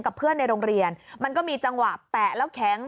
เพื่อนในโรงเรียนมันก็มีจังหวะแปะแล้วแข็ง